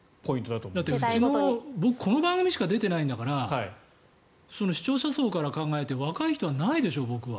だって、僕この番組しか出てないんだから視聴者層から考えて若い人はないでしょう、僕は。